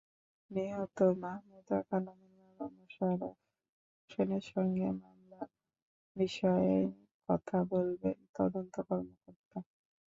নিহত মাহমুদা খানমের বাবা মোশাররফ হোসেনের সঙ্গে মামলার বিষয়ে কথা বলবেন তদন্ত কর্মকর্তা।